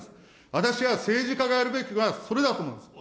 私は政治家がやるべきはそれだと思うんです。